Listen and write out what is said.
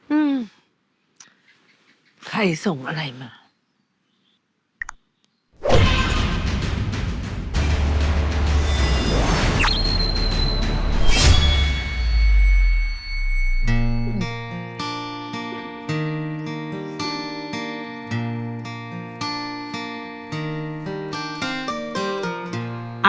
อืมใครส่งอะไรมา